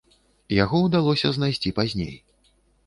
Яго ўдалося знайсці пазней.